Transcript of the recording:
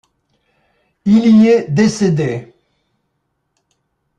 Il y est décédé.